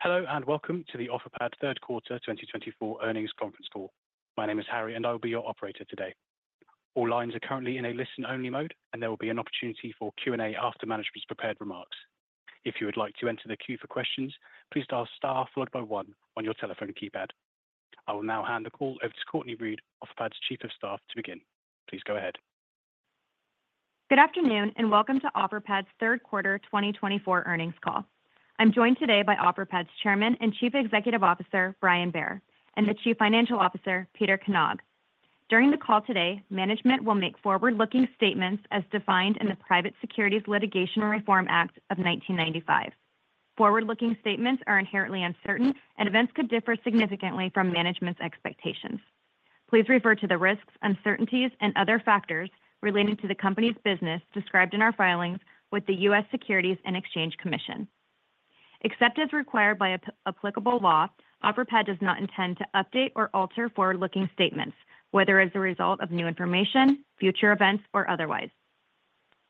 Hello and welcome to the Offerpad Solutions Inc. Q3 2024 earnings conference call. My name is Harry, and I will be your operator today. All lines are currently in a listen-only mode, and there will be an opportunity for Q&A after management's prepared remarks. If you would like to enter the queue for questions, please dial star followed by 1 on your telephone keypad. I will now hand the call over to Cortney Read, Offerpad's Chief of Staff, to begin. Please go ahead. Good afternoon and welcome to Offerpad's Q3 2024 earnings call. I'm joined today by Offerpad's Chairman and Chief Executive Officer, Brian Bair, and the Chief Financial Officer, Peter Knag. During the call today, management will make forward-looking statements as defined in the Private Securities Litigation Reform Act of 1995. Forward-looking statements are inherently uncertain, and events could differ significantly from management's expectations. Please refer to the risks, uncertainties, and other factors relating to the company's business described in our filings with the U.S. Securities and Exchange Commission. Except as required by applicable law, Offerpad does not intend to update or alter forward-looking statements, whether as a result of new information, future events, or otherwise.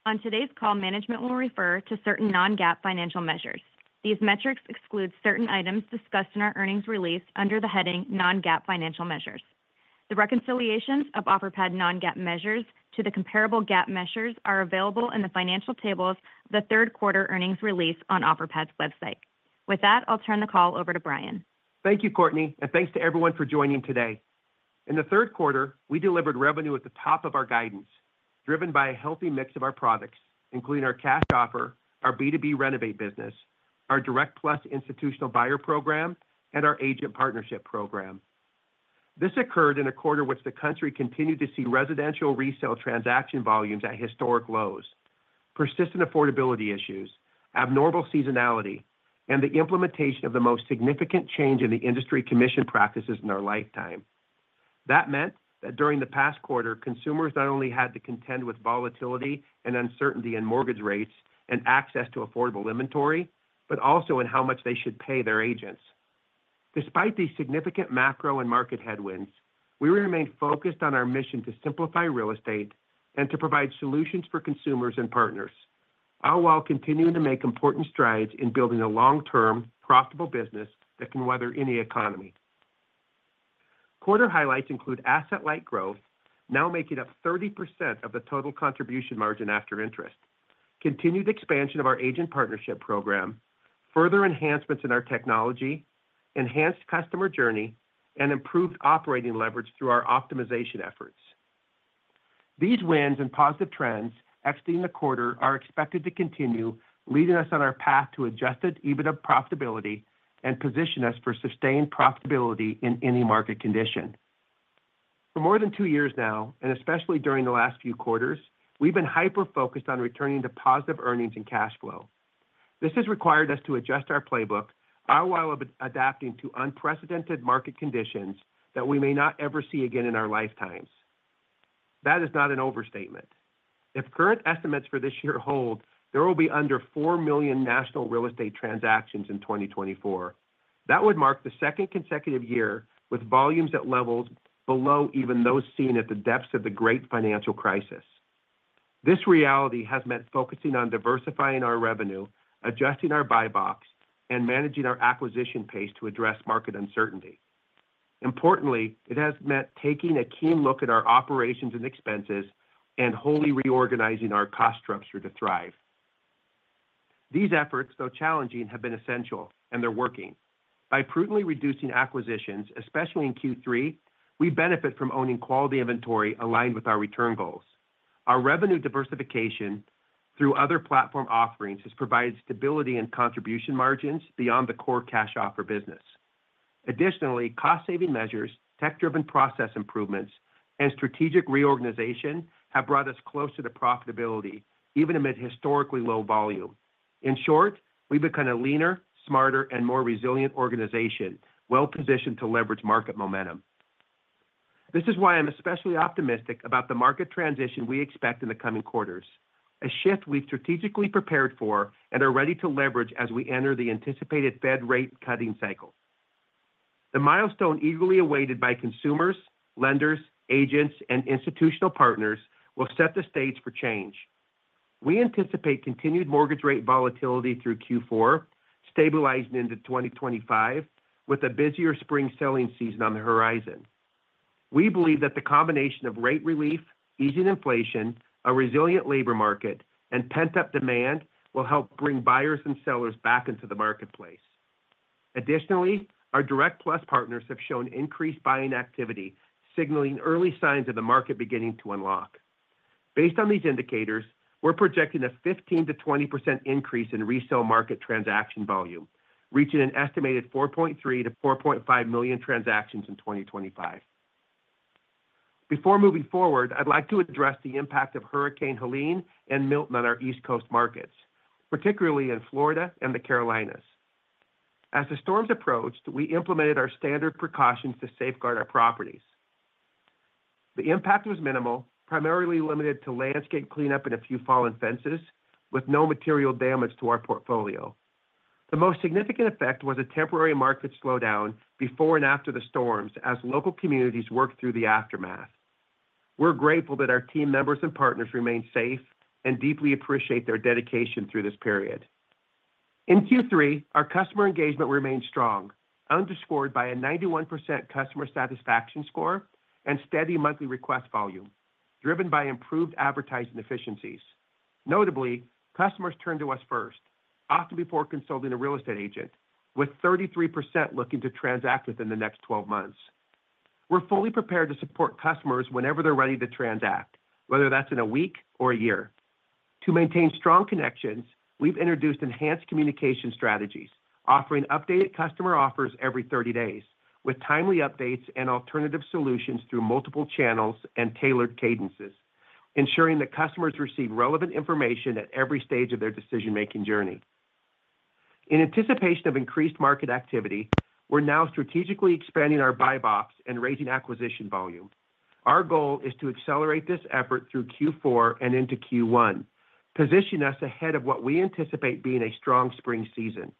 On today's call, management will refer to certain Non-GAAP financial measures. These metrics exclude certain items discussed in our earnings release under the heading Non-GAAP financial measures. The reconciliations of Offerpad non-GAAP measures to the comparable GAAP measures are available in the financial tables of the Q3 earnings release on Offerpad's website. With that, I'll turn the call over to Brian. Thank you, Cortney, and thanks to everyone for joining today. In the Q3, we delivered revenue at the top of our guidance, driven by a healthy mix of our products, including our cash offer, our B2B renovate business, our Direct Plus institutional buyer program, and our Agent Partnership Program. This occurred in a quarter in which the country continued to see residential resale transaction volumes at historic lows, persistent affordability issues, abnormal seasonality, and the implementation of the most significant change in the industry commission practices in our lifetime. That meant that during the past quarter, consumers not only had to contend with volatility and uncertainty in mortgage rates and access to affordable inventory, but also in how much they should pay their agents. Despite these significant macro and market headwinds, we remained focused on our mission to simplify real estate and to provide solutions for consumers and partners, all while continuing to make important strides in building a long-term, profitable business that can weather any economy. Quarter highlights include asset-light growth, now making up 30% of the total contribution margin after interest, continued expansion of our agent partnership program, further enhancements in our technology, enhanced customer journey, and improved operating leverage through our optimization efforts. These wins and positive trends exiting the quarter are expected to continue, leading us on our path to Adjusted EBITDA profitability and position us for sustained profitability in any market condition. For more than two years now, and especially during the last few quarters, we've been hyper-focused on returning to positive earnings and cash flow. This has required us to adjust our playbook, all while adapting to unprecedented market conditions that we may not ever see again in our lifetimes. That is not an overstatement. If current estimates for this year hold, there will be under four million national real estate transactions in 2024. That would mark the second consecutive year with volumes at levels below even those seen at the depths of the Great Financial Crisis. This reality has meant focusing on diversifying our revenue, adjusting our buy box, and managing our acquisition pace to address market uncertainty. Importantly, it has meant taking a keen look at our operations and expenses and wholly reorganizing our cost structure to thrive. These efforts, though challenging, have been essential, and they're working. By prudently reducing acquisitions, especially in Q3, we benefit from owning quality inventory aligned with our return goals. Our revenue diversification through other platform offerings has provided stability in contribution margins beyond the core cash offer business. Additionally, cost-saving measures, tech-driven process improvements, and strategic reorganization have brought us closer to profitability, even amid historically low volume. In short, we've become a leaner, smarter, and more resilient organization, well-positioned to leverage market momentum. This is why I'm especially optimistic about the market transition we expect in the coming quarters, a shift we've strategically prepared for and are ready to leverage as we enter the anticipated Fed rate-cutting cycle. The milestone eagerly awaited by consumers, lenders, agents, and institutional partners will set the stage for change. We anticipate continued mortgage rate volatility through Q4, stabilizing into 2025, with a busier spring selling season on the horizon. We believe that the combination of rate relief, easing inflation, a resilient labor market, and pent-up demand will help bring buyers and sellers back into the marketplace. Additionally, our Direct Plus partners have shown increased buying activity, signaling early signs of the market beginning to unlock. Based on these indicators, we're projecting a 15%-20% increase in resale market transaction volume, reaching an estimated 4.3 million-4.5 million transactions in 2025. Before moving forward, I'd like to address the impact of Hurricane Helene and Milton on our East Coast markets, particularly in Florida and the Carolinas. As the storms approached, we implemented our standard precautions to safeguard our properties. The impact was minimal, primarily limited to landscape cleanup and a few fallen fences, with no material damage to our portfolio. The most significant effect was a temporary market slowdown before and after the storms as local communities worked through the aftermath. We're grateful that our team members and partners remain safe and deeply appreciate their dedication through this period. In Q3, our customer engagement remained strong, underscored by a 91% customer satisfaction score and steady monthly request volume, driven by improved advertising efficiencies. Notably, customers turned to us first, often before consulting a real estate agent, with 33% looking to transact within the next 12 months. We're fully prepared to support customers whenever they're ready to transact, whether that's in a week or a year. To maintain strong connections, we've introduced enhanced communication strategies, offering updated customer offers every 30 days, with timely updates and alternative solutions through multiple channels and tailored cadences, ensuring that customers receive relevant information at every stage of their decision-making journey. In anticipation of increased market activity, we're now strategically expanding our buy box and raising acquisition volume. Our goal is to accelerate this effort through Q4 and into Q1, positioning us ahead of what we anticipate being a strong spring season.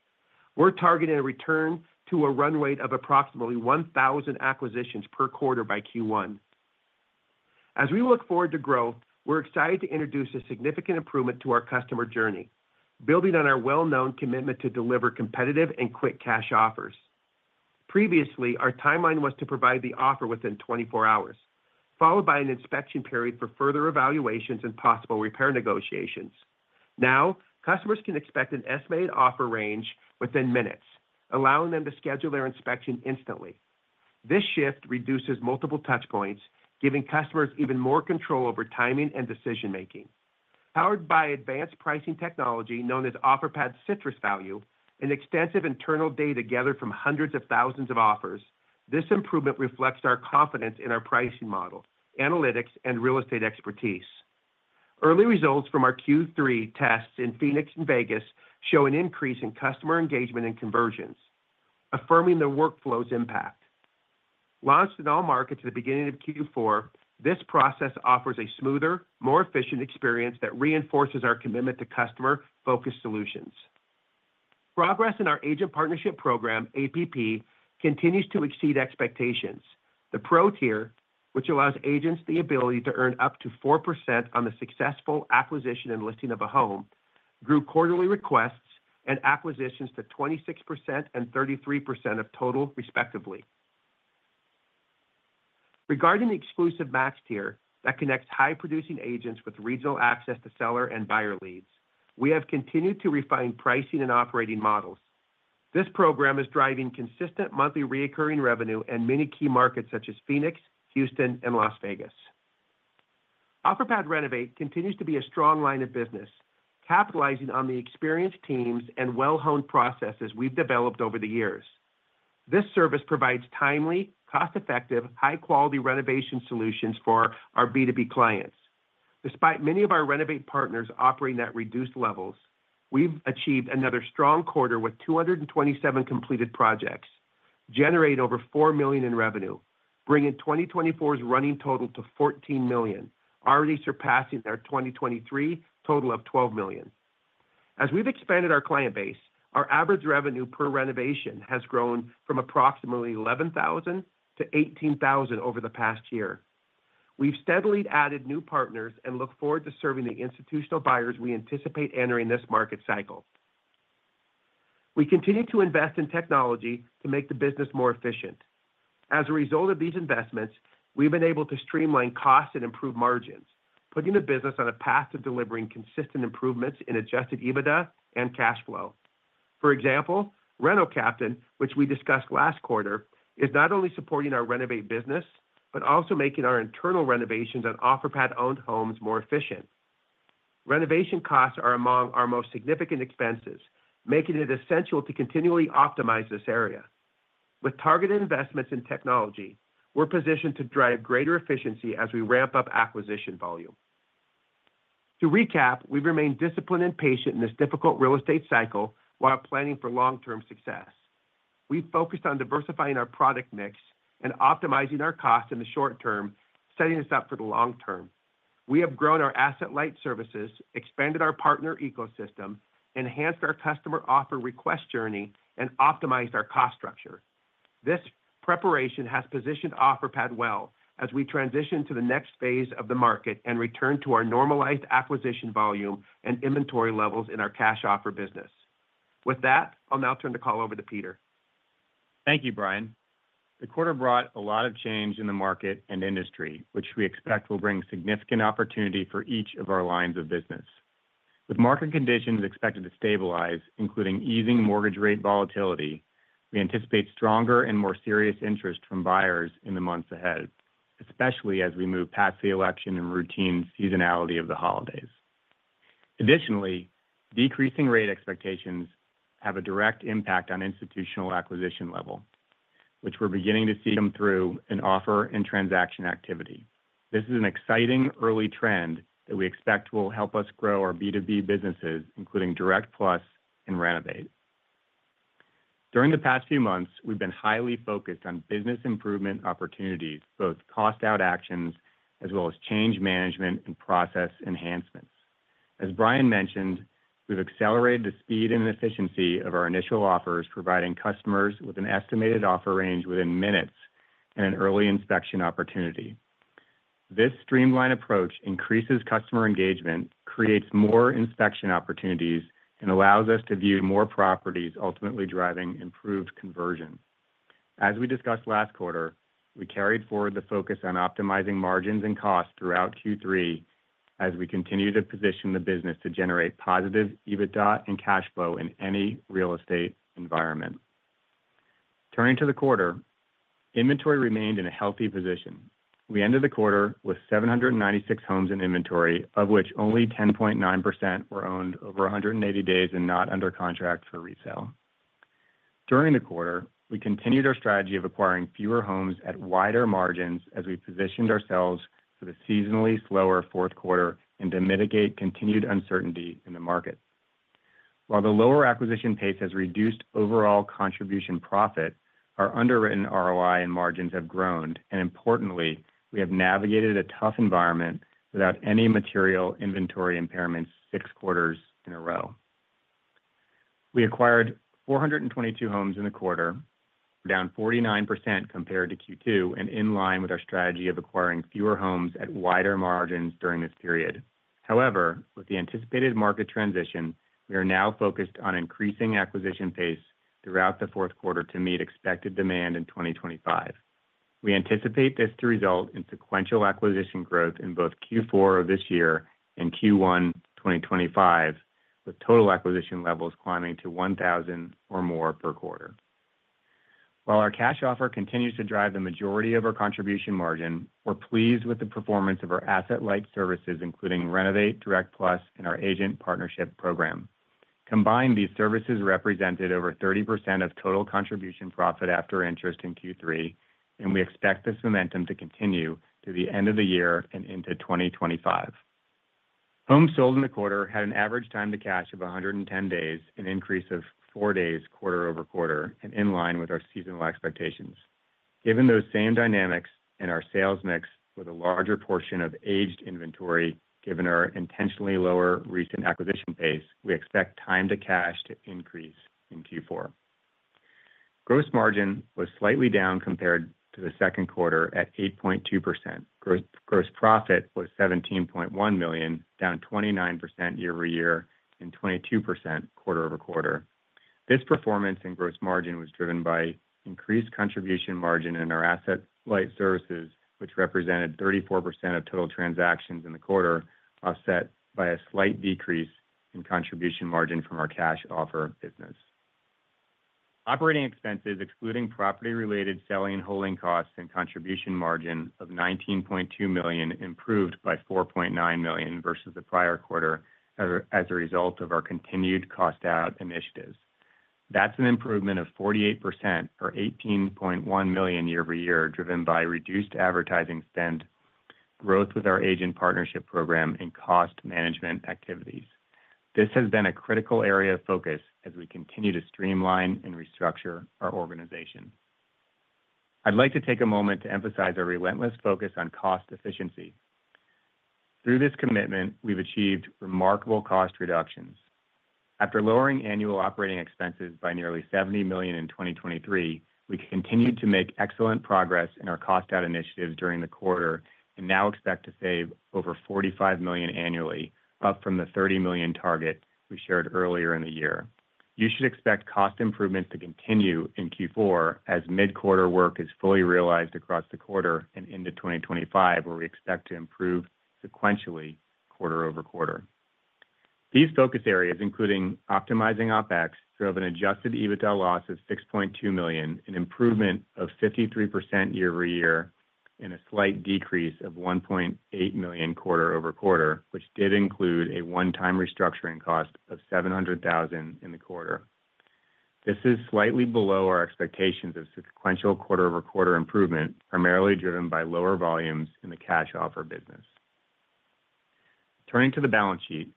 We're targeting a return to a run rate of approximately 1,000 acquisitions per quarter by Q1. As we look forward to growth, we're excited to introduce a significant improvement to our customer journey, building on our well-known commitment to deliver competitive and quick cash offers. Previously, our timeline was to provide the offer within 24 hours, followed by an inspection period for further evaluations and possible repair negotiations. Now, customers can expect an estimated offer range within minutes, allowing them to schedule their inspection instantly. This shift reduces multiple touchpoints, giving customers even more control over timing and decision-making. Powered by advanced pricing technology known as Offerpad Citrus Value, an extensive internal data gathered from hundreds of thousands of offers, this improvement reflects our confidence in our pricing model, analytics, and real estate expertise. Early results from our Q3 tests in Phoenix and Vegas show an increase in customer engagement and conversions, affirming the workflow's impact. Launched in all markets at the beginning of Q4, this process offers a smoother, more efficient experience that reinforces our commitment to customer-focused solutions. Progress in our agent partnership program, APP, continues to exceed expectations. The Pro tier, which allows agents the ability to earn up to 4% on the successful acquisition and listing of a home, grew quarterly requests and acquisitions to 26% and 33% of total, respectively. Regarding the exclusive Max tier that connects high-producing agents with regional access to seller and buyer leads, we have continued to refine pricing and operating models. This program is driving consistent monthly recurring revenue in many key markets such as Phoenix, Houston, and Las Vegas. Offerpad Renovate continues to be a strong line of business, capitalizing on the experienced teams and well-honed processes we've developed over the years. This service provides timely, cost-effective, high-quality renovation solutions for our B2B clients. Despite many of our Renovate partners operating at reduced levels, we've achieved another strong quarter with 227 completed projects, generating over $4 million in revenue, bringing 2024's running total to $14 million, already surpassing our 2023 total of $12 million. As we've expanded our client base, our average revenue per renovation has grown from approximately $11,000 to $18,000 over the past year. We've steadily added new partners and look forward to serving the institutional buyers we anticipate entering this market cycle. We continue to invest in technology to make the business more efficient. As a result of these investments, we've been able to streamline costs and improve margins, putting the business on a path to delivering consistent improvements in Adjusted EBITDA and cash flow. For example, RENO CAPTAIN, which we discussed last quarter, is not only supporting our renovate business but also making our internal renovations on Offerpad-owned homes more efficient. Renovation costs are among our most significant expenses, making it essential to continually optimize this area. With targeted investments in technology, we're positioned to drive greater efficiency as we ramp up acquisition volume. To recap, we've remained disciplined and patient in this difficult real estate cycle while planning for long-term success. We've focused on diversifying our product mix and optimizing our costs in the short term, setting us up for the long term. We have grown our asset-light services, expanded our partner ecosystem, enhanced our customer offer request journey, and optimized our cost structure. This preparation has positioned Offerpad well as we transition to the next phase of the market and return to our normalized acquisition volume and inventory levels in our cash offer business. With that, I'll now turn the call over to Peter. Thank you, Brian. The quarter brought a lot of change in the market and industry, which we expect will bring significant opportunity for each of our lines of business. With market conditions expected to stabilize, including easing mortgage rate volatility, we anticipate stronger and more serious interest from buyers in the months ahead, especially as we move past the election and routine seasonality of the holidays. Additionally, decreasing rate expectations have a direct impact on institutional acquisition level, which we're beginning to see come through in offer and transaction activity. This is an exciting early trend that we expect will help us grow our B2B businesses, including Direct Plus and Renovate. During the past few months, we've been highly focused on business improvement opportunities, both cost-out actions as well as change management and process enhancements. As Brian mentioned, we've accelerated the speed and efficiency of our initial offers, providing customers with an estimated offer range within minutes and an early inspection opportunity. This streamlined approach increases customer engagement, creates more inspection opportunities, and allows us to view more properties, ultimately driving improved conversion. As we discussed last quarter, we carried forward the focus on optimizing margins and costs throughout Q3 as we continue to position the business to generate positive EBITDA and cash flow in any real estate environment. Turning to the quarter, inventory remained in a healthy position. We ended the quarter with 796 homes in inventory, of which only 10.9% were owned over 180 days and not under contract for resale. During the quarter, we continued our strategy of acquiring fewer homes at wider margins as we positioned ourselves for the seasonally slower fourth quarter and to mitigate continued uncertainty in the market. While the lower acquisition pace has reduced overall contribution profit, our underwritten ROI and margins have grown, and importantly, we have navigated a tough environment without any material inventory impairments six quarters in a row. We acquired 422 homes in the quarter, down 49% compared to Q2, and in line with our strategy of acquiring fewer homes at wider margins during this period. However, with the anticipated market transition, we are now focused on increasing acquisition pace throughout the fourth quarter to meet expected demand in 2025. We anticipate this to result in sequential acquisition growth in both Q4 of this year and Q1 2025, with total acquisition levels climbing to 1,000 or more per quarter. While our cash offer continues to drive the majority of our contribution margin, we're pleased with the performance of our asset-light services, including Renovate, Direct Plus, and our agent partnership program. Combined, these services represented over 30% of total contribution profit after interest in Q3, and we expect this momentum to continue to the end of the year and into 2025. Homes sold in the quarter had an average time to cash of 110 days, an increase of four days quarter over quarter, and in line with our seasonal expectations. Given those same dynamics and our sales mix with a larger portion of aged inventory given our intentionally lower recent acquisition pace, we expect time to cash to increase in Q4. Gross margin was slightly down compared to the second quarter at 8.2%. Gross profit was $17.1 million, down 29% year-over-year and 22% quarter-over-quarter. This performance and gross margin was driven by increased contribution margin in our asset-light services, which represented 34% of total transactions in the quarter, offset by a slight decrease in contribution margin from our cash offer business. Operating expenses, excluding property-related selling and holding costs and contribution margin of $19.2 million, improved by $4.9 million versus the prior quarter as a result of our continued cost-out initiatives. That's an improvement of 48% or $18.1 million year-over-year, driven by reduced advertising spend, growth with our agent partnership program, and cost management activities. This has been a critical area of focus as we continue to streamline and restructure our organization. I'd like to take a moment to emphasize our relentless focus on cost efficiency. Through this commitment, we've achieved remarkable cost reductions. After lowering annual operating expenses by nearly $70 million in 2023, we continued to make excellent progress in our cost-out initiatives during the quarter and now expect to save over $45 million annually, up from the $30 million target we shared earlier in the year. You should expect cost improvements to continue in Q4 as mid-quarter work is fully realized across the quarter and into 2025, where we expect to improve sequentially quarter-over-quarter. These focus areas, including optimizing OpEx, drove an adjusted EBITDA loss of $6.2 million, an improvement of 53% year over year, and a slight decrease of $1.8 million quarter over quarter, which did include a one-time restructuring cost of $700,000 in the quarter. This is slightly below our expectations of sequential quarter over quarter improvement, primarily driven by lower volumes in the cash offer business. Turning to the balance sheet,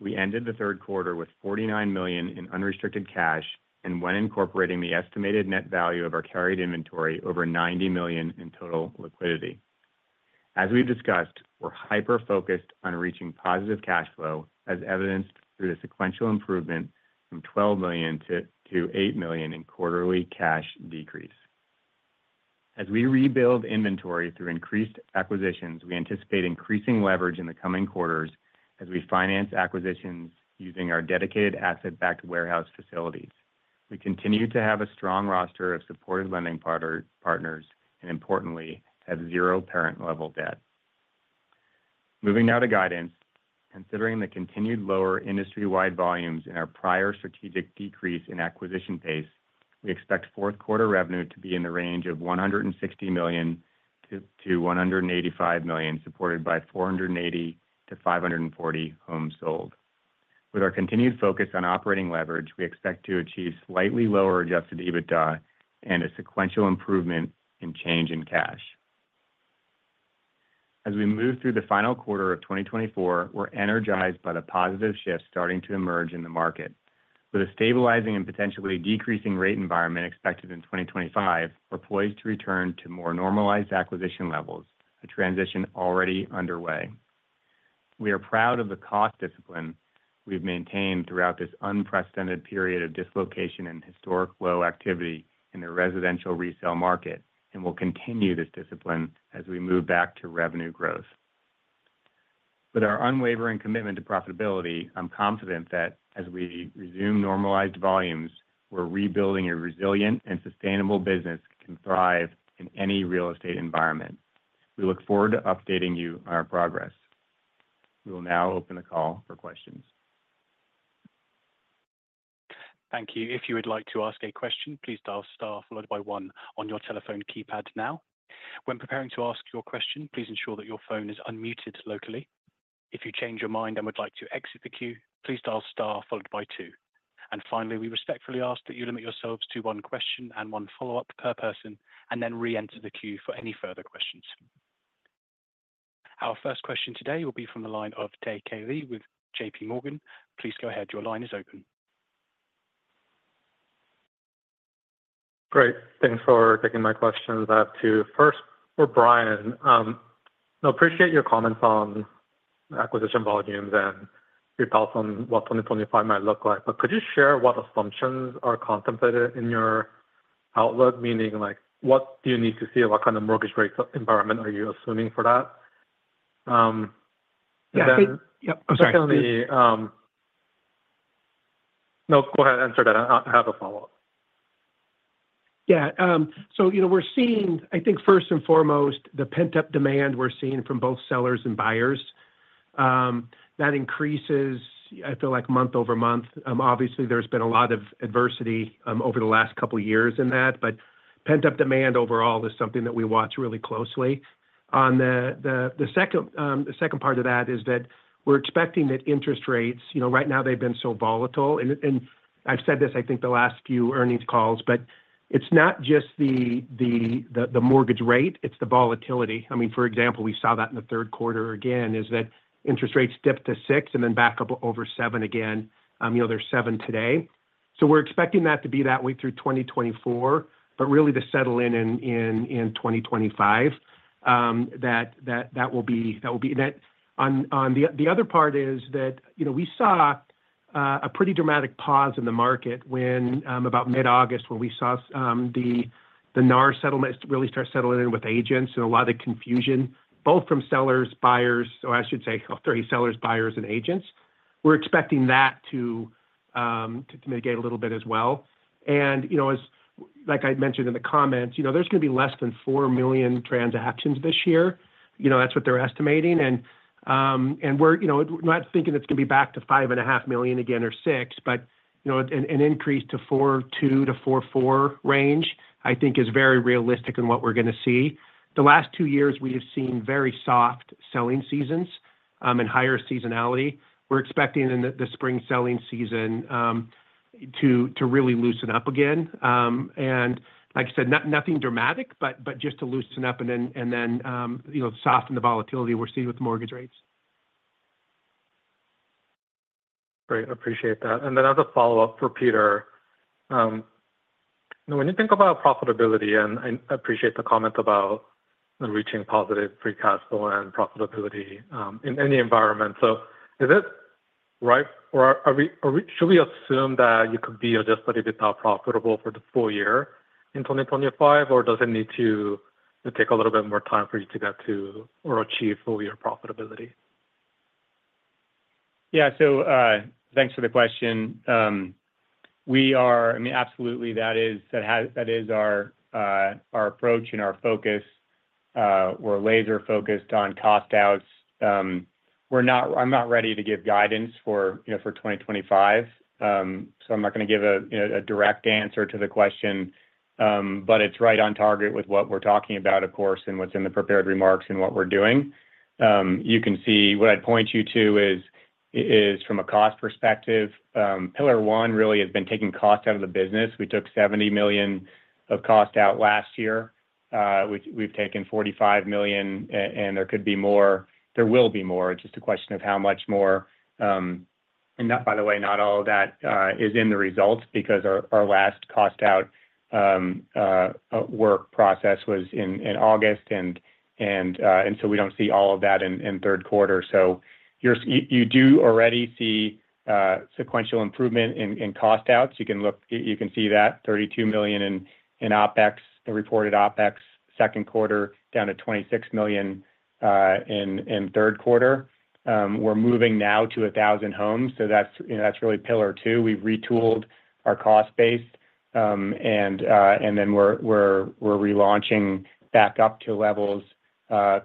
we ended the third quarter with $49 million in unrestricted cash and when incorporating the estimated net value of our carried inventory over $90 million in total liquidity. As we've discussed, we're hyper-focused on reaching positive cash flow, as evidenced through the sequential improvement from $12 million to $8 million in quarterly cash decrease. As we rebuild inventory through increased acquisitions, we anticipate increasing leverage in the coming quarters as we finance acquisitions using our dedicated asset-backed warehouse facilities. We continue to have a strong roster of supportive lending partners and, importantly, have zero parent-level debt. Moving now to guidance, considering the continued lower industry-wide volumes and our prior strategic decrease in acquisition pace, we expect fourth quarter revenue to be in the range of $160 million-$185 million, supported by 480-540 homes sold. With our continued focus on operating leverage, we expect to achieve slightly lower Adjusted EBITDA and a sequential improvement in change in cash. As we move through the final quarter of 2024, we're energized by the positive shift starting to emerge in the market. With a stabilizing and potentially decreasing rate environment expected in 2025, we're poised to return to more normalized acquisition levels, a transition already underway. We are proud of the cost discipline we've maintained throughout this unprecedented period of dislocation and historic low activity in the residential resale market, and we'll continue this discipline as we move back to revenue growth. With our unwavering commitment to profitability, I'm confident that as we resume normalized volumes, we're rebuilding a resilient and sustainable business that can thrive in any real estate environment. We look forward to updating you on our progress. We will now open the call for questions. Thank you. If you would like to ask a question, please dial star followed by one on your telephone keypad now. When preparing to ask your question, please ensure that your phone is unmuted locally. If you change your mind and would like to exit the queue, please dial star followed by two. And finally, we respectfully ask that you limit yourselves to one question and one follow-up per person, and then re-enter the queue for any further questions. Our first question today will be from the line of Dae K. Lee with JPMorgan. Please go ahead. Your line is open. Great. Thanks for taking my question back to first for Brian. I appreciate your comments on acquisition volumes and what 2025 might look like, but could you share what assumptions are contemplated in your outlook, meaning what do you need to see? What kind of mortgage rate environment are you assuming for that? Yeah. I think. I'm sorry. No, go ahead. Answer that. I have a follow-up. Yeah. So we're seeing, I think, first and foremost, the pent-up demand we're seeing from both sellers and buyers. That increases, I feel like, month over month. Obviously, there's been a lot of adversity over the last couple of years in that, but pent-up demand overall is something that we watch really closely. The second part of that is that we're expecting that interest rates right now, they've been so volatile. And I've said this, I think, the last few earnings calls, but it's not just the mortgage rate. It's the volatility. I mean, for example, we saw that in the third quarter again, is that interest rates dipped to 6% and then back up over 7% again. They're 7% today. So we're expecting that to be that way through 2024, but really to settle in in 2025, that will be that. The other part is that we saw a pretty dramatic pause in the market about mid-August when we saw the NAR settlement really start settling in with agents and a lot of confusion, both from sellers, buyers, or I should say, sorry, sellers, buyers, and agents. We're expecting that to mitigate a little bit as well, and like I mentioned in the comments, there's going to be less than 4 million transactions this year. That's what they're estimating, and we're not thinking it's going to be back to 5.5 million again or 6, but an increase to 4.2-4.4 range, I think, is very realistic in what we're going to see. The last two years, we have seen very soft selling seasons and higher seasonality. We're expecting the spring selling season to really loosen up again. Like I said, nothing dramatic, but just to loosen up and then soften the volatility we're seeing with mortgage rates. Great. I appreciate that. And then as a follow-up for Peter, when you think about profitability, and I appreciate the comment about reaching positive free cash flow and profitability in any environment, so is it right or should we assume that you could be just a little bit profitable for the full year in 2025, or does it need to take a little bit more time for you to get to or achieve full-year profitability? Yeah. So thanks for the question. We are, I mean, absolutely, that is our approach and our focus. We're laser-focused on cost-outs. I'm not ready to give guidance for 2025, so I'm not going to give a direct answer to the question, but it's right on target with what we're talking about, of course, and what's in the prepared remarks and what we're doing. You can see what I'd point you to is from a cost perspective. Pillar One really has been taking cost out of the business. We took $70 million of cost out last year. We've taken $45 million, and there could be more. There will be more. It's just a question of how much more. And by the way, not all of that is in the results because our last cost-out work process was in August, and so we don't see all of that in third quarter. So you do already see sequential improvement in cost-outs. You can see that $32 million in reported OpEx second quarter down to $26 million in third quarter. We're moving now to 1,000 homes, so that's really pillar two. We've retooled our cost base, and then we're relaunching back up to levels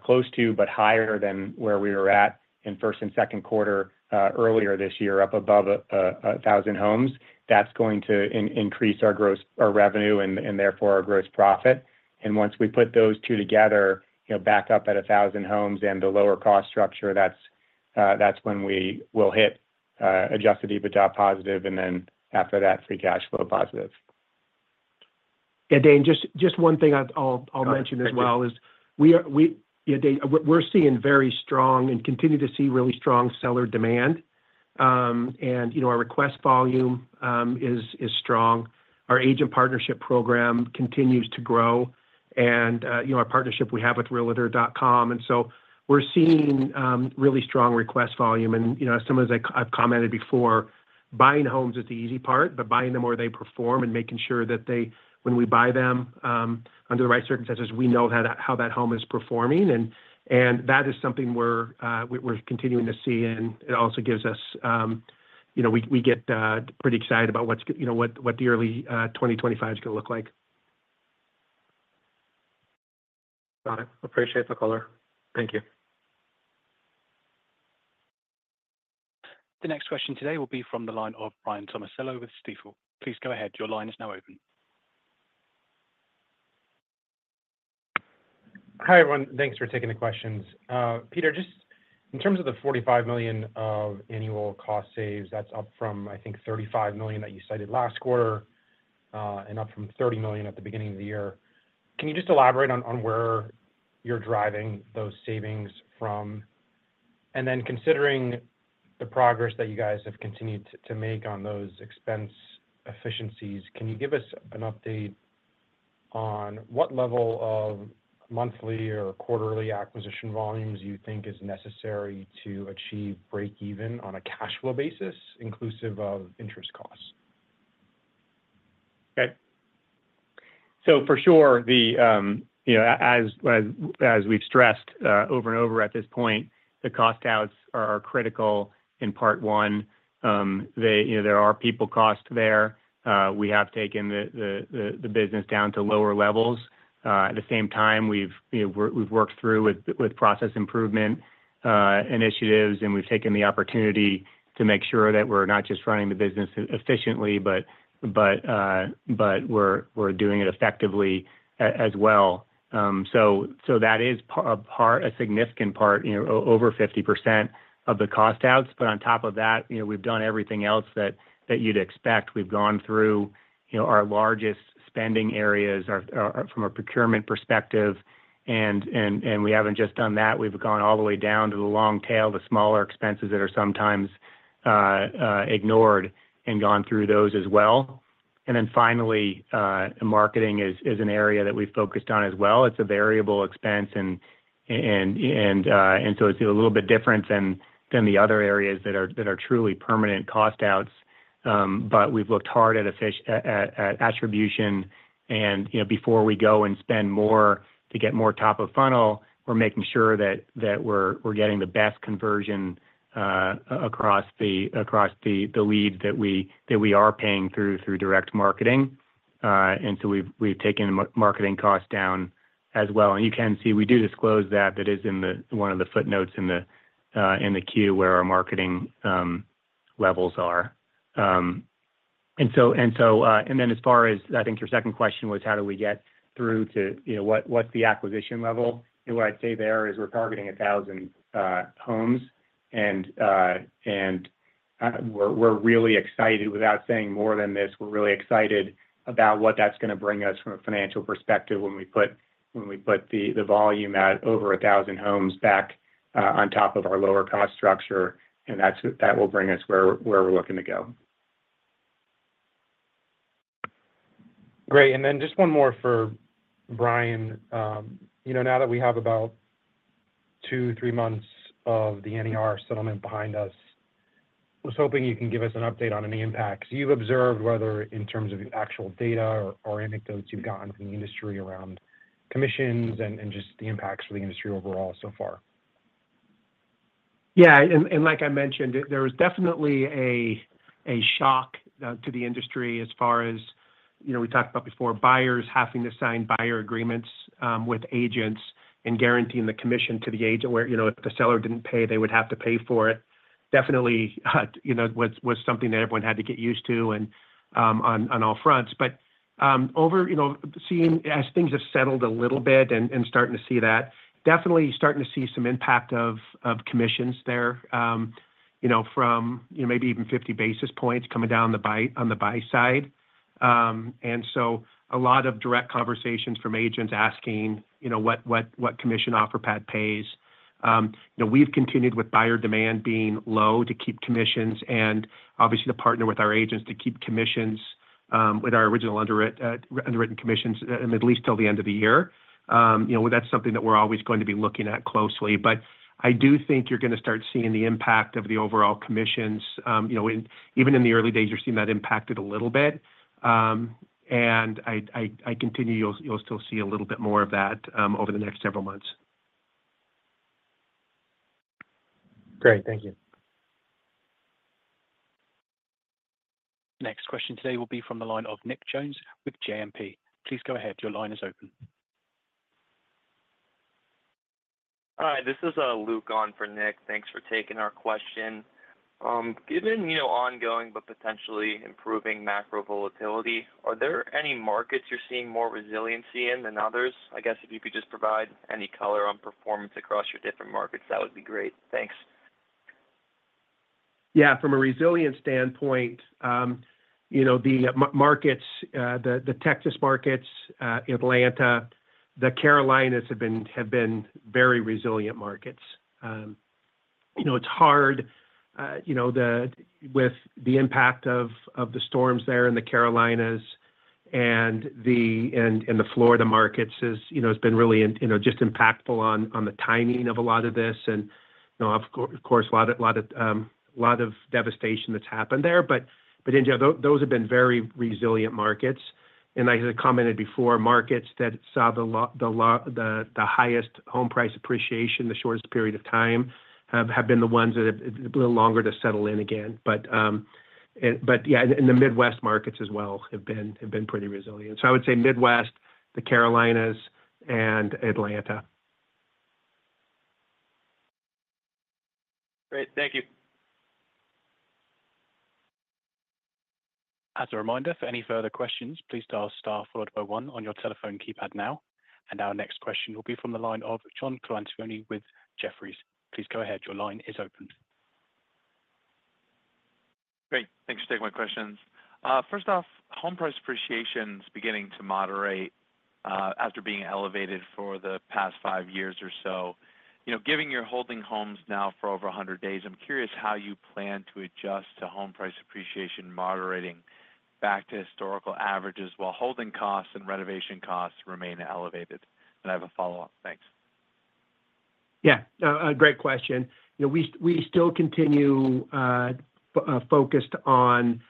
close to but higher than where we were at in first and second quarter earlier this year, up above 1,000 homes. That's going to increase our revenue and therefore our gross profit. And once we put those two together, back up at 1,000 homes and the lower cost structure, that's when we will hit adjusted EBITDA positive, and then after that, free cash flow positive. Yeah, Dae, just one thing I'll mention as well is we're seeing very strong and continue to see really strong seller demand. Our request volume is strong. Our agent partnership program continues to grow, and our partnership we have with Realtor.com. We're seeing really strong request volume. As some of those I've commented before, buying homes is the easy part, but buying them where they perform and making sure that when we buy them under the right circumstances, we know how that home is performing. That is something we're continuing to see, and it also gives us. We get pretty excited about what the early 2025 is going to look like. Got it. Appreciate the color. Thank you. The next question today will be from the line of Ryan Tomasello with [Stephens]. Please go ahead. Your line is now open. Hi everyone. Thanks for taking the questions. Peter, just in terms of the $45 million of annual cost saves, that's up from, I think, $35 million that you cited last quarter and up from $30 million at the beginning of the year. Can you just elaborate on where you're driving those savings from? And then considering the progress that you guys have continued to make on those expense efficiencies, can you give us an update on what level of monthly or quarterly acquisition volumes you think is necessary to achieve break-even on a cash flow basis, inclusive of interest costs? Okay. So for sure, as we've stressed over and over at this point, the cost-outs are critical in part one. There are people costs there. We have taken the business down to lower levels. At the same time, we've worked through with process improvement initiatives, and we've taken the opportunity to make sure that we're not just running the business efficiently, but we're doing it effectively as well. So that is a significant part, over 50% of the cost-outs. But on top of that, we've done everything else that you'd expect. We've gone through our largest spending areas from a procurement perspective, and we haven't just done that. We've gone all the way down to the long tail, the smaller expenses that are sometimes ignored, and gone through those as well. And then finally, marketing is an area that we've focused on as well. It's a variable expense, and so it's a little bit different than the other areas that are truly permanent cost-outs, but we've looked hard at attribution, and before we go and spend more to get more top of funnel, we're making sure that we're getting the best conversion across the leads that we are paying through direct marketing, and so we've taken marketing costs down as well, and you can see we do disclose that. That is in one of the footnotes in the Q where our marketing levels are, and then as far as I think your second question was, how do we get through to what's the acquisition level? What I'd say there is we're targeting 1,000 homes, and we're really excited. Without saying more than this, we're really excited about what that's going to bring us from a financial perspective when we put the volume at over 1,000 homes back on top of our lower cost structure, and that will bring us where we're looking to go. Great. And then just one more for Brian. Now that we have about two, three months of the NAR settlement behind us, I was hoping you can give us an update on any impacts. You've observed whether in terms of actual data or anecdotes you've gotten from the industry around commissions and just the impacts for the industry overall so far? Yeah, and like I mentioned, there was definitely a shock to the industry as far as we talked about before, buyers having to sign buyer agreements with agents and guaranteeing the commission to the agent where if the seller didn't pay, they would have to pay for it. Definitely was something that everyone had to get used to on all fronts, but seeing as things have settled a little bit and starting to see that, definitely starting to see some impact of commissions there from maybe even 50 basis points coming down on the buy side, and so a lot of direct conversations from agents asking what commission Offerpad pays. We've continued with buyer demand being low to keep commissions and obviously to partner with our agents to keep commissions with our original underwritten commissions at least till the end of the year. That's something that we're always going to be looking at closely, but I do think you're going to start seeing the impact of the overall commissions. Even in the early days, you're seeing that impacted a little bit, and I think you'll still see a little bit more of that over the next several months. Great. Thank you. Next question today will be from the line of Nick Jones with JMP. Please go ahead. Your line is open. Hi. This is Luke on for Nick. Thanks for taking our question. Given ongoing but potentially improving macro volatility, are there any markets you're seeing more resiliency in than others? I guess if you could just provide any color on performance across your different markets, that would be great. Thanks. Yeah. From a resilience standpoint, the markets, the Texas markets, Atlanta, the Carolinas have been very resilient markets. It's hard with the impact of the storms there in the Carolinas and the Florida markets has been really just impactful on the timing of a lot of this and, of course, a lot of devastation that's happened there, but those have been very resilient markets, and as I commented before, markets that saw the highest home price appreciation in the shortest period of time have been the ones that have been a little longer to settle in again, but yeah, and the Midwest markets as well have been pretty resilient, so I would say Midwest, the Carolinas, and Atlanta. Great. Thank you. As a reminder, for any further questions, please dial star followed by one on your telephone keypad now. And our next question will be from the line of John Colantuoni with Jefferies. Please go ahead. Your line is open. Great. Thanks for taking my questions. First off, home price appreciation is beginning to moderate after being elevated for the past five years or so. Given you're holding homes now for over 100 days, I'm curious how you plan to adjust to home price appreciation moderating back to historical averages while holding costs and renovation costs remain elevated. And I have a follow-up. Thanks. Yeah. A great question. We still continue focused on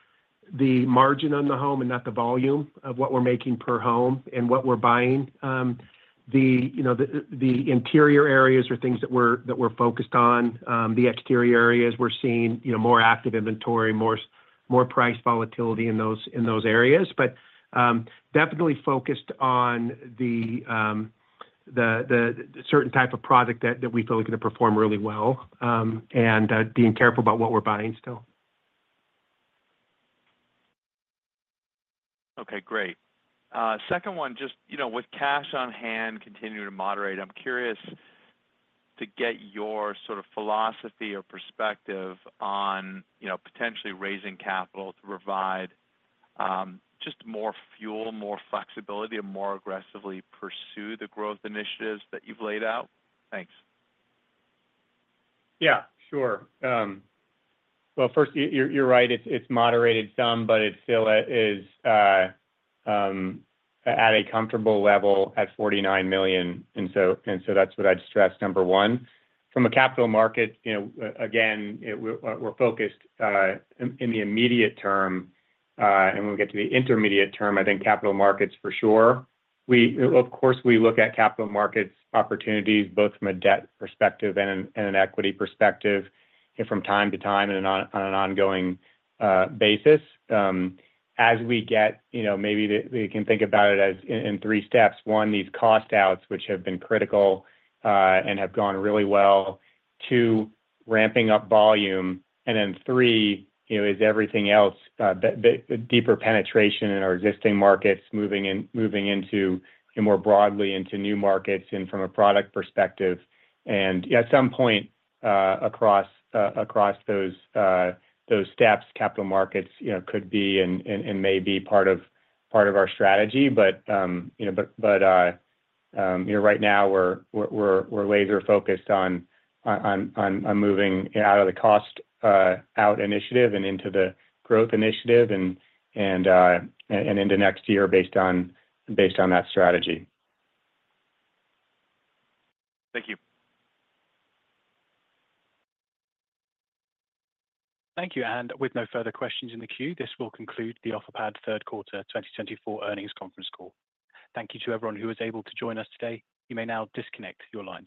the margin on the home and not the volume of what we're making per home and what we're buying. The interior areas are things that we're focused on. The exterior areas, we're seeing more active inventory, more price volatility in those areas, but definitely focused on the certain type of product that we feel we can perform really well and being careful about what we're buying still. Okay. Great. Second one, just with cash on hand, continue to moderate. I'm curious to get your sort of philosophy or perspective on potentially raising capital to provide just more fuel, more flexibility, and more aggressively pursue the growth initiatives that you've laid out? Thanks. Yeah. Sure. First, you're right. It's moderated some, but it still is at a comfortable level at $49 million. And so that's what I'd stress, number one. From a capital market, again, we're focused in the immediate term, and when we get to the intermediate term, I think capital markets for sure. Of course, we look at capital markets opportunities both from a debt perspective and an equity perspective from time to time and on an ongoing basis. As we get, maybe we can think about it in three steps. One, these cost-outs, which have been critical and have gone really well. Two, ramping up volume. And then three, is everything else, deeper penetration in our existing markets, moving into more broadly into new markets and from a product perspective. And at some point across those steps, capital markets could be and may be part of our strategy. But right now, we're laser-focused on moving out of the cost-out initiative and into the growth initiative and into next year based on that strategy. Thank you. Thank you, and with no further questions in the queue, this will conclude the Offerpad third quarter 2024 earnings conference call. Thank you to everyone who was able to join us today. You may now disconnect your line.